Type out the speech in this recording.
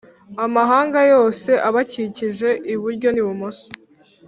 Amahanga yose abakikije iburyo n ibumoso